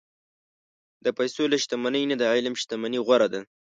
د پیسو له شتمنۍ نه، د علم شتمني غوره ده.